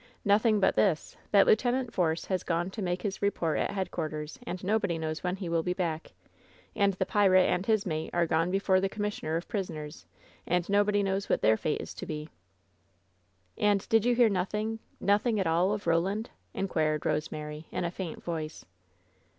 "Nothing but this: that lieut. Force has gone to make his report at headquarters, and nobody knows when ho will be back. And the pirate and his mate are gone be fore the commissioner of prisoners, and nobody knows what their fate is to be." "And did you hear nothing — ^nothing at all of Ro land?" inquired Rosemary, in a faint voice.